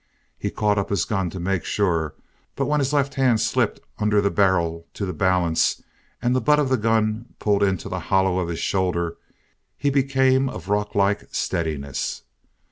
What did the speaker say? He caught up his gun to make sure, but when his left hand slipped under the barrel to the balance and the butt of the gun pulled into the hollow of his shoulder, he became of rocklike steadiness.